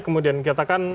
kemudian kita kan